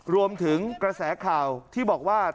รวมถึงกระแสข่าวที่บอกว่า